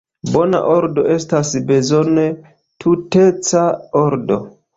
Bona ordo estas bezone tuteca ordo.